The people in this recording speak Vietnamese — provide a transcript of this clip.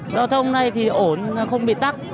giao thông này thì ổn không bị tắt